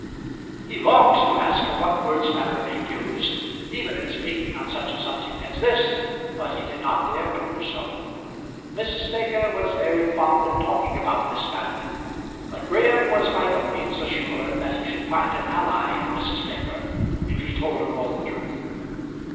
He longed to ask her what words Madeline had used, even in speaking on such a subject as this; but he did not dare to do so. Mrs. Baker was very fond of talking about Miss Madeline, but Graham was by no means assured that he should find an ally in Mrs. Baker if he told her all the truth.